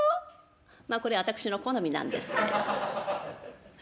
まあこれ私の好みなんですけれども。